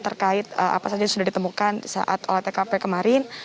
terkait apa saja yang sudah ditemukan saat olah tkp kemarin